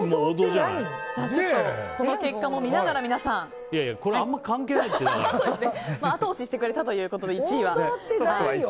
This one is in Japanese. この結果も見ながら、皆さん。後押ししてくれたということで１位は。